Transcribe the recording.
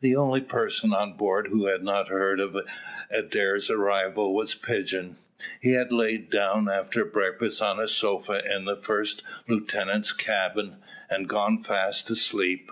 The only person on board who had not heard of Adair's arrival was Pigeon. He had laid down after breakfast on a sofa in the first lieutenant's cabin, and gone fast asleep.